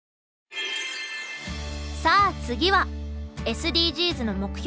さあ次はＳＤＧｓの目標